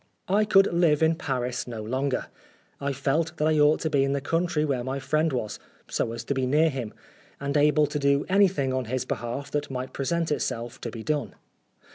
I could live in Paris no longer. I felt that I ought to be in the country where my friend was, so as to be near him, and able to do anything on his behalf that might present itself to be done.